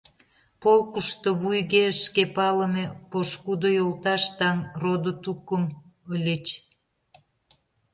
Полкышто вуйге шке палыме, пошкудо, йолташ-таҥ, родо-тукым ыльыч.